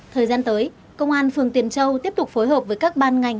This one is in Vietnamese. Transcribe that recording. thời gian tới công an phường tiền châu tiếp tục phối hợp với các ban ngành